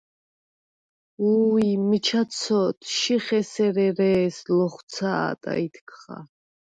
–უ̄ჲ, მიჩა ცოდ, შიხ ესერ ერე̄ს ლოხუ̂ცა̄და ითქღა!